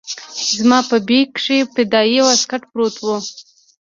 زما په بېګ کښې فدايي واسکټ پروت و.